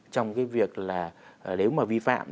trong cái việc là nếu mà vi phạm